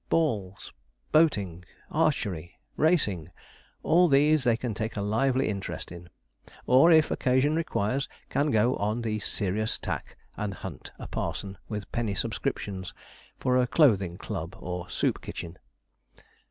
Balls, boating, archery, racing all these they can take a lively interest in; or, if occasion requires, can go on the serious tack and hunt a parson with penny subscriptions for a clothing club or soup kitchen.